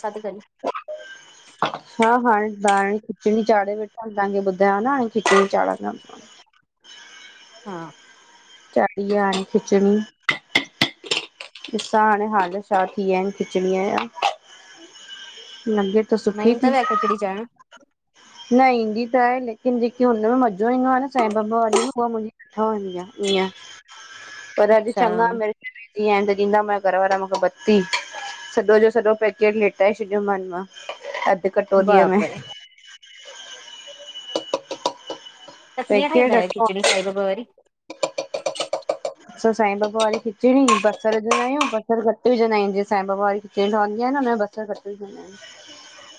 छा ति करी? हा हाणे दाल ऐ खिचड़ी चाढ़े रखी तवाखें ॿुधया न हाणे खिचड़ी चाढ़दम। हा चाढ़ी आ हाणे खिचिणी ॾिसां हाण हाल छा थी विया आहिनि खिचड़ीअ जा,? मन्दिर न ईंदीतव छा खिचणी चाड़ण न ईंदी त आहे लेकिन जेकी हुनमें मज़ो ईंदो आहे न साईं बाबा वारी में उहा न ठाहंदी ईअं, पर अॼु अच्छा चङा म इअं आहिनि त ॾींदा माखें घर वारा मूंखे बत्ती सॼो जो सॼो पैकेट निपटाए छॾियो मान मां अधु कटोरीअ में बापरे ह [inaudible] ता कीअं पैकेट ठाहीदां आहियो रखियो खिचड़ी साई ॿाबा वारी? असां साईं बाबा वारी खिचड़ी बसर विंजदा असां साईं बाबा खिचणी, बसर घटि विंजदा आहियूं जीअं साईं बाबा वारी खिचड़ी ठहंदी आहे न हुन में ब असां घटि‌ आहियूं [unintelligible]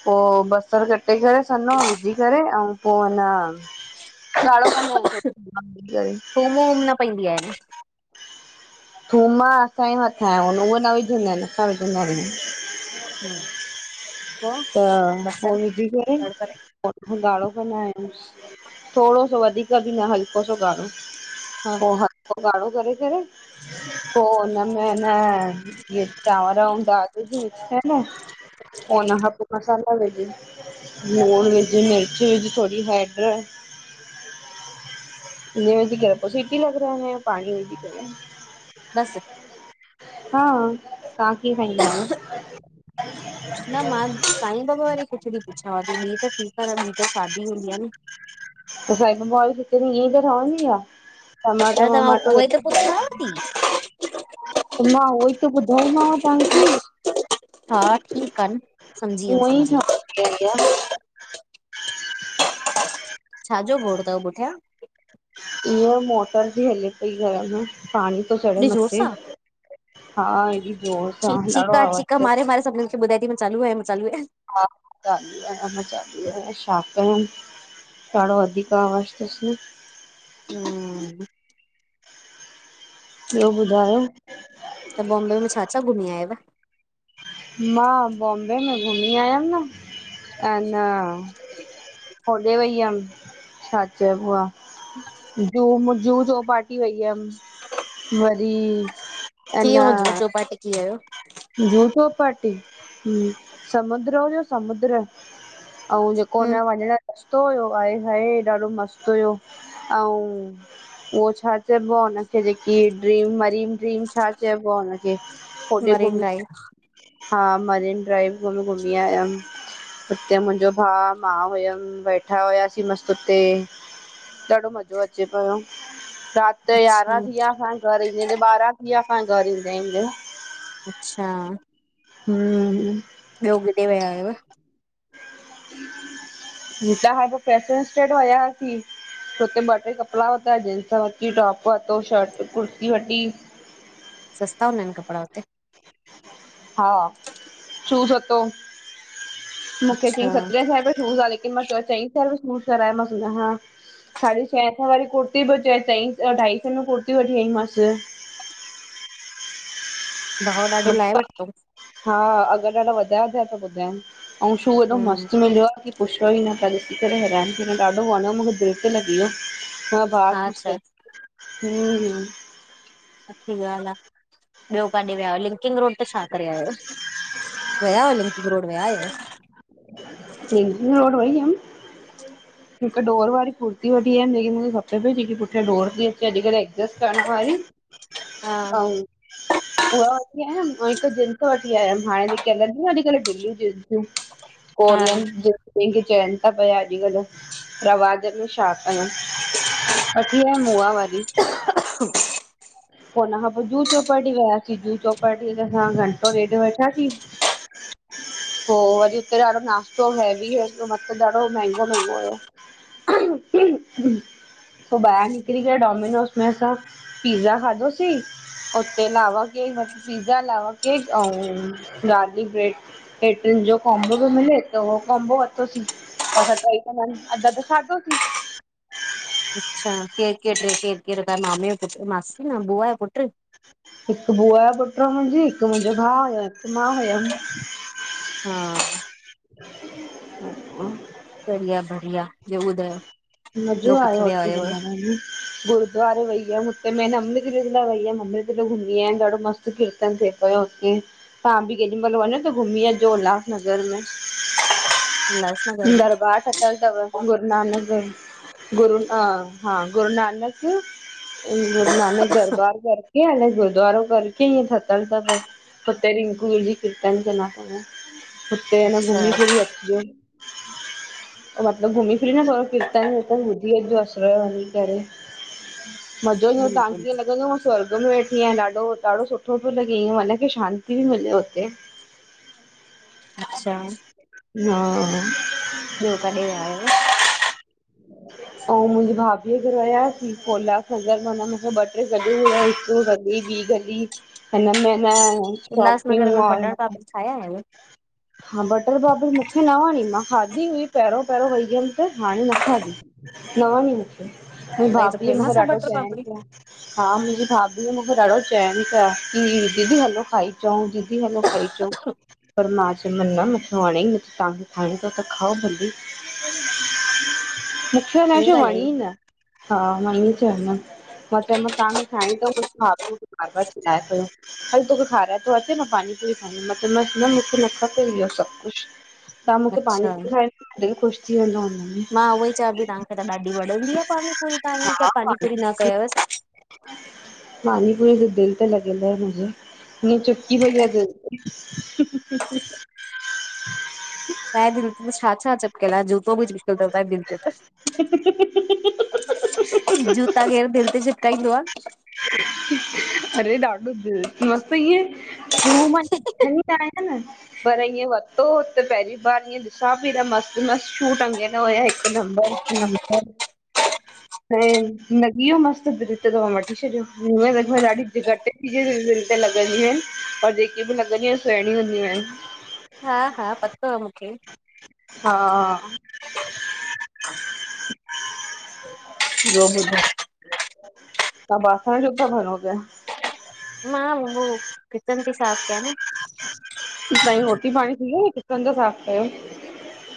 पो बसरु कटे करे सन्ना विझी करे ऐं पोइ अन [unintelligible] थूम वूम न पवंदी आ थूम असांजे मथियां आ, उहे न विझंदा आहिनि, असां विझंदा आहियूं। ह्म [inaudible] त उ विझी करे बड़बड़ ॻाढो त ना आहे न, थोड़ो सो वधीक बि न हल्को सो ॻाढ़ो [unintelligible] हा [unintelligible] हा ॻा़ङो करे- करे, पोइ हुनमें एन जिअं चांवर ऐं दाल थी विझे आहे न पो उन हथ मसाला विझ [unintelligible] लुण विझु, मिर्च विझु, थोड़ी हेड इन खे सीटी लॻराइंदा पाणी विझी करे [unintelligible] बस हा, तव्हां कीअं ठाईंदा आहियो? न मां साईं बाबा वारी खिचड़ी पुछाव ती, ॿी त ठीकु आहे ॿी त सादी हूंदी आहे न त सांई बाबा वारी खिचङी ईंअं ई त ठहंदी आह। टमाटो अरे तव्हां वमाटो [unintelligible] उहे त पुछांव थी त मां उहोई त ॿुधाई मांव तव्हांखे हा ठीकु आ न, समझी वयम उअं समझी [unintelligible] छा जो गोड़ तव पुठियां? ईआ मोटर पी हले पई घर में, पाणी तो चढ़े एॾे जोर मथे, सां हा एॾी जोर सां ॾाढो आवाज़ तसि ॿुधाय थी मां चालू आए मां चालू आय [unintelligible] हा माली मज़ाली छा कयूं? [unintelligible] ॾाढो वधीक आवाज़ तस न [unintelligible] ॿियो ॿुधायो? त बॉम्बे में छा- छा घुमी आयव? मां बॉम्बे में घुमी आयमि न, अ न [inaudible] काॾे वई हुअमि छा चइबो आ? [inaudible] जू म जुहू चोपाटी वई हुयमि। [inaudible] वरी किय हो जू चोपाटी किय हो? जू चौपाटी हम्म समुद्र हो समुद्र। अउ जेको हुन हम्म वञण रस्तो हुयो आय हाय ॾाढो मस्त हुयो अउ उहो छा चइबो आहे हुनखे जेकी ड्रीम मरीम ड्रीम छा चइबो आहे हुनखे होॾे घुमी [unintelligible] हा मरीन ड्राइव भी घुमी आयम। हुते मुंहिंजो भा मां वयम वेठा हुआसीं मस्त हुते। ॾाढो मज़ो अचे रात यो अच्छा यारहां थी विया असांखे घर ईंन्दे ईदे ॿारहं थी विया असांखे घर ईंन्दे इंदे। अच्छा हम्म ॿियो किॾे विया हुयव? हुतां खा त पेसुस ते वया वासी। हुते ॿ टे कपड़ा वता जींस वती टॉप वतो शर्ट कुर्ती वती। सस्ता हूंदा आहिन कपड़ा हुते? हा शूज वतो मूंखे अच्छा चयई सतरहें में शूज आ लेकिन मां चउ चईं सें में शूज कराए मांस हुनखां। साढी छहें सें वारी कुर्ती पो चईं अढाई सौ में कुर्तियूं वठी आईमांस। भाव ॾाढो लाहे वतो? हा अघ ॾाढा वधाये वधाये पया ॿुधाइन अउ शू एॾो हम्म मस्त मिलियो आ न। पुछोयो ई न तन ॾिसी करे हैरान थी वयम ॾाढो वणियो मूंखे दिल ते लॻी वियो। हा भा हा कुछ अच्छा क हम्म हम्म सुठी ॻाल आ ॿियो काॾे विया लिंकिंग रोड ते छा करे आयव? वया हुआ लिंकिंग रोड वया हुआव? लिंकिंग रोड वई हुअम। हिकु ॾोर वारी कुर्ती वठी आयम जेकी मूंखे खपे पई जेकी पुठां ॾोर थी अचे अॼकल एडजस्ट करण वारी। हा अऊ उहा वठी आयम ऐं हिक जींस वठी आयम हाणे जेके हलंनत्यू न अॼ कल ॾीलीयू जींसूं। [inaudible] कोरियन जेके चइन ता पिया अॼ कल्ह। रवाजन में छा कयु वठी आयम उआवारी। [unintelligible] पो हुनखां पो जुहू चौपाटी वियासीं जुहु चौपाटी ते असां घंटो ॾेड वेठासीं। पो वरी हुते ॾाढो नाश्तो हैवी मतलब ॾाढो महंगो महंगो होयो। [unintelligible] पो ॿाहिर निकरी करे डोमिनोस मेंसां पिज़्ज़ा खाधोसी। उते lava cake pizza lava cake अऊ गारलिक ब्रेड। हे टिन जो कोम्बो पो मिले त उहो कोम्बो वतोंसीं। त असां टई ॾेढ़न अध अध खादो सी। अच्छा केर केर ट्रे केर केर मामे ओ जो पुट मासी न बुआ जो पुट्र। हिक बुआ यो पुट हो मुंहिंजी हिक मुंहिंजो भाउ हुयो हिक मां हुयम। हा। हा। बढिया -बढ़िया। ॿियो ॿुधायो मज़ो ॿियो किथे आयव विया उते हुयव? घुमण में? गुरुद्वारे वई हुयम, हुते मेन अमृतिवृंदा वईयम अमृतिलो घुमी आहियम ॾाढो मस्त किर्तन थे पियो उते। तव्हां बि केॾी महिल वञो त घुमी अचजो, उल्हासनगर में उल्हासनगर में दरबार त ठयल तव। गुर नानक जी, गुरू हा -हागुरू नानक गुरू नानक दरबार करके हाला गुरुद्वारो कर के ईअं ठतल तव, हुते रिंकू वीर जी कीर्तन कंदा तव। हुते न अच्छा घुमी फिरी अचीजो। घुमी फिरी न थोड़ो किर्तन विर्तन बुधी अच जो असुर जो वञी करे, मज़ो ईंदो बिल्कुलु तांखे लॻंदव स्वर्ग में वेठी आहियां ॾाढो- ॾाढो सुठो पियो लॻे ईअं मन खे शांती बि मिले हुते। अच्छा। हा। ॿियो काडे विया हुयव? अऊं मुंहिंजी भाभीअ घर वयासीं उल्हासनगर हुन मूंखे ॿ ट्रे जगहु ॿुधायईंं, हे ॿि गली हिनमें न शॉपिंग उल्हासनगर में माल बटर पापड़ी खाया आयव? हा बटर पापड़ी मूंखे न वणी, मां खादी हुई पहिरियों -पहिरियों वई हुयमि त हाणे न खाधी, न वणी मूंखे। मुंहिंजी उतां जी त भाभी मूंखे फेमस आ ॾाढो बटर चईंन पापड़ी। पिया। हा मुंहिंजी भाभी मूंखे ॾाढो चवनि पिया की दीदी हलो खाई अचऊं, दीदी हलो खाई चउं पर मां चयोयमि न मूंखे वणे हि नथी, तव्हांखे खाइणी तव त खाओ भली। मुखे अलाए ईअं छो वणी ॻाल्हायो। न हा मां इअं चयो मान। मां चयोमानि तव्हांखे खाइणी तव खाओ, पापा चिल्लाए पयो। हल तोखे खाराए तो अचें मां पानी पूरी खाइंदुस मां चओमांसि न मूंखे न खपे इहो सभु कुछ। तव्हां मूंखे पानी अच्छा पूरी खाइडते दिल ख़ुशि थी वेंदो। में मां उहोई चां पई तव्हांखे त ॾाढी वणंदी आ पानीपूरी तव्हां ईअं कीअं पानीपूरी न कयवस। पानी पुरी त दिल ते लग्यल आये मुहिंजे। ईयं चिपकी पयी आ दिल ते। त्वांजे दिल ते त छा- छा चिपकियल आ, जूतो बि चिपकियल तव त्वाहें दिल ते त। जूता केर दिल ते चिप्काइंदो आ? अरे ॾाढो दिल मस्त इएं शू मां वठनि ई न आहियां न। पर ईअं वरितो हुते पहिरीं बार ॾिसां पई मस्त -मस्त शू टंग्यल हुया हिकु नंबर - नंबर, अच्छा [inaudible] ऐं लॻियो मस्तु ब्रिट जो मां वठी छॾियो, हुअं लगभग ॾाढी घटि ईयं दिल ते लॻंदी आहिनि और जेकी बि लॻंदी आहिनि सहणी हूंदी आहिनि। हा -हा पतो आ मूंखे। हा। ॿियो बुधायो? त्वहा बासण छोता भञो पिया? मां उहो किचन ती साफ कयां न। तांई रोटी पाणी थी वई आ, किचन ता साफ़ कयो।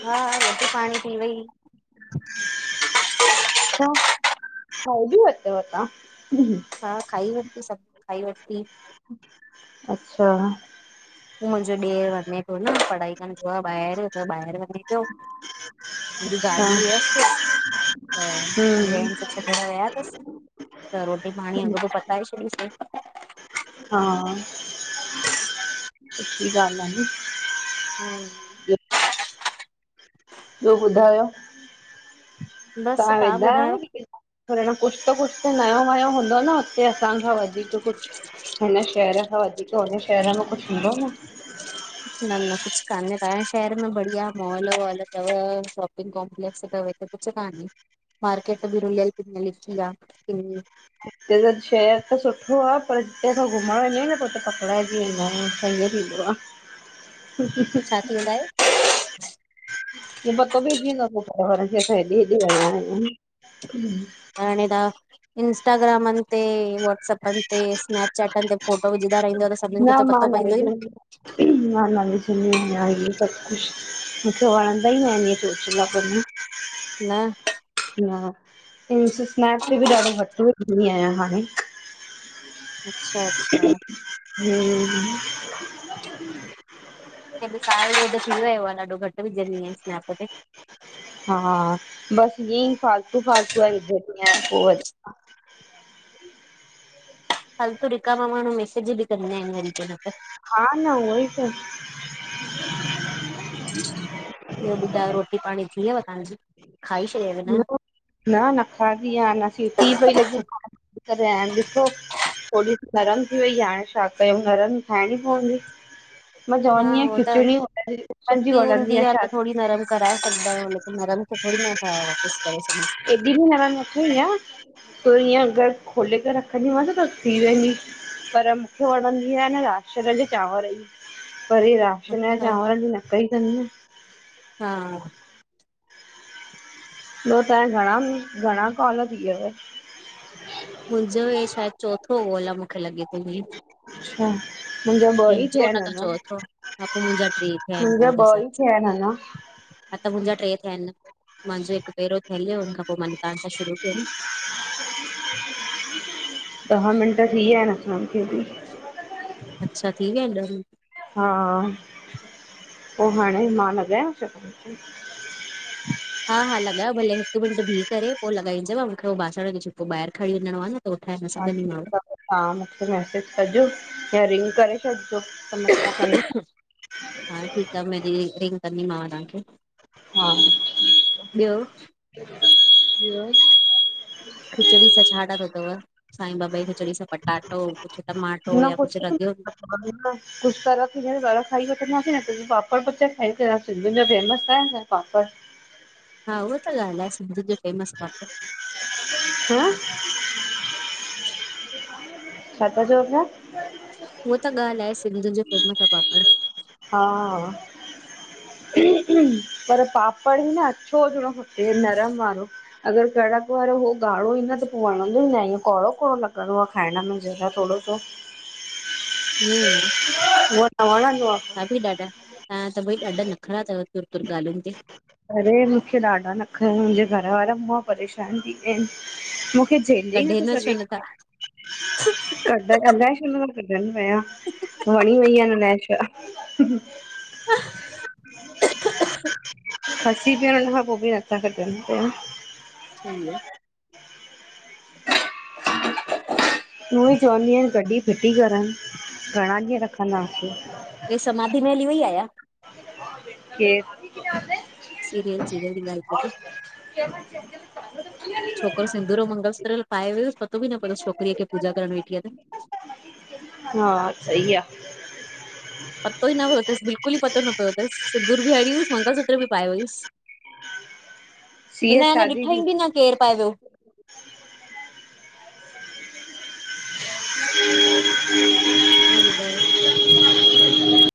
हा रोटी पाणी थी वई। अच्छा [inaudible] खाई भी वरतव् तां! हा, खाई वरती सभिनि खाई वरती। अच्छा। मुहिंजो ॾेर वञें प्यो न, पढ़ाई कंदो आ ॿा एर, त ॿा एर वञें प्यो हुनजी अच्छा गाॾी हुयस, त व्या हम्म अन छडंण। [unintelligible] आया अथसि त रोटी पाणी अॻोपो पताए छॾीसीं। हा [unintelligible] हम्म ॿियो ॿुधायो, बस तां तव्हां वेंदा ॿुधायो? आहियो पर ह न कुछ त कुछ त नयो-वयो हूंदो न ते असां खां वधीक कुछ, हिन शहर खां वधीक हुन शहर में कुछ हूंदो न। न न कुछ काने, तव्हांजे शहर में बढ़िया मॉल-वॉल थव सब कॉम्प्लेक्स थव, हिते कुछ कान्हे। मार्केट बी रुल्यल-पिंयल हिक ही आ किन्नी। हिते शहर त सुठो आ, पर जिते असां घुमण वेंदा अहियूं न, त हुते पकड़ाइजी वेंदा आयूं संडे ॾींह छा थी वेंदा आहियो [unintelligible] पो पतो पैजी वेंदो आ पो ॿारन खे, असां हेॾे-हेॾे वया आयहूं। हांणे त इंस्टाग्रामनि ते वॅट् ते, स्नैप चैटनि ते फोटो विझंदा रहिंदा त सबनीनि खे न त मां पतो न पइंदो ई विझंदी न। आहियां, मां न विझ [unintelligible] कंदी आंयां इहे सभु कुझु, मूंखे वणंदा ई ना हिन इहे चोचला [unintelligible] न न, [unintelligible] ते बि ॾाढो घट्ट विझंदी आयां हाणे। अच्छा-अच्छा [inaudible] [unintelligible] रयो आ, ॾाढो घटि विझंदी आहियां स्नैप ते। हा, बस इयंई फालतू-फालतू जा विझंदी आया पो वरी हलतू [unintelligible] माण्हू मैसेज बि कंदा आहिनि वरी पो न त। हा न, उई त। ॿियो ॿुधायो, रोटी-पाणी थी यव तहांजी, खाई शॾव, न? न, न खादी आ अन्या। सीटी पई लॻजे [unintelligible] तॾहिं अऊं ॾिठ्ठो। थोणी नरम थी वई आ। हाणे छा कयूं, नरम खांइणी पवंदी। मां हा चवंदी आहियां हो त खिचड़ी [unintelligible] व जी सुकी हूंदी वणंदी आ छा त थोड़ी नरम कराए सघदा आहियू, लेकिन नरन खे थोङी नथा वापस करे सघूं। एॾि ॿनरम न थी आ। तो इअं अगर खोले करे रखंदीमांस, त थी वेंदी पर मुखे वणंदी आ न राशन जे चांवर जी। परे रा [unintelligible] चांवरनि जी न कई थन न। हा ॿियो तांजा घणा, घणा कॉल थी व्यव? मुंजो हे शायद चोथों ओ अलाए, मूंखे लॻे थो उओई। अच्छा मुंहिंजा ॿ ई तुंहजो थिया न आहिनि त अञा चौथों, हा पोइ मुंजा ट्रे थ्या आहिन पो मुंहिंजा उन ॿ हिसाब ई सां। थिया आहिनि अञा हा त मुंजा ट्रे थिया आहिन। मांजो हिकु पहिरों थियल हो, हुन खां पो मां तहांसा शुरू कयो न। [inaudible] ॾह मिंट थी वया हिन असांखे भी। अच्छा थी वया इन ॾह मिनट। हा, पो हाणे मां लॻायंव छा तव्हा खे? हा हा, लॻायो भले। हिकु मिनंट भी करे पो लॻाई दव? मूंखे हो बासणन जो छिक्को ॿाहर खणी वञणो आ न। त उठाए न हा सघंदीमांव। ठीक आ। तव्हां मुखे मैसेज कजो या रिंग करे छॾिजो त मतां खणे। हा ठीक आ। मां रिंग कंदीमांव तव्हांखे। हा। ॿियो? ॿियो? खिचड़ी सां छा ठायो अथव? साईं बाबा खे खिचडी सां पटाटो कुछु टमाटो या कुझु रॻियो [inaudible] कुछ तर थी रह खाई वठंदासीं न त पापड़ पचा खाई करे सिंधियुनि जो फेमस आहे न पापड़। हा, उहो त ॻाल्हिाए सिंधियुनि जो फेमस पापड़। हं छा था चवो पया? उहा त ॻाल्ह आहे सिंधियुनि जो फेमस आहे पापड़। हा, पर पापड़ ई न अछो हुजणो। हे नरम वारो। अगर कड़क वारो उह ॻाढ़ो ई न त पोइ वणंदो ई न आहे इअं कौड़ो -कौड़ो लॻंदो आहे खाइण में ज़रा थोडो सो। [inaudible] हुग त वणंदो आ। हा बि ॾाढा तव्हां त भई ॾाढा नख़रा अथव तुर -तुर ॻाल्हियुनि ते। अरे मूंखे ॾाढा नखरा मुंहिंजे घर वारा मुहं मां परेशान थी विया आहिनि। झेले ई न कढे तो छो सके। नथा क अललायश हुन मां कढनि पिया वणी वई आहे अललायश? [inaudible] फसी पया आहीन हुन खां पोइ बि नथा खॾनि पहिरण। सही आ। [inaudible] उूं ई चवंदी अया कॾहिं फिटी करनि घणा ॾींहं रखंदा आसी। हे, समाधी में हली वई आ या? केर? सीरियल सीरियल जी ॻाल्हि कई [unintelligible] छोकरो सिंदूर मंगलसुतर पाए वियो पतो भी न पयो तस छोकरीअ खे पूजा करण वेठी आ। त हा सही आ। पतो ई न पियो अथस बिल्कुल ई पतो न पियो सिदूर बि हड़ी वसि मंगलसूत्र बि पाये वयूस। हिन सीअ ह ने शादी ॾिठई बि भी न केर पाए वियो। [inaudible] ॿियो ॿुधायो? [inaudible]